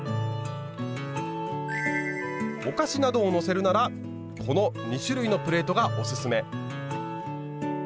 お菓子などをのせるならこの２種類のプレートがおすすめ。